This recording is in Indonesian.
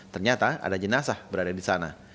ternyata ada jenazah berada di sana